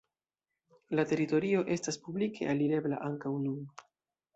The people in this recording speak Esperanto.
La teritorio estas publike alirebla ankaŭ nun.